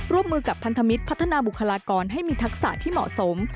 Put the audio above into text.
ร่วมมือกับพันธมิตรพัฒนาบุคลากรให้มีทักษะที่เหมาะสม